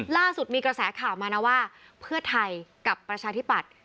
ล่าสุดมีกระแสข่าวมานะว่าเพื่อไทยกับประชาธิปัตย์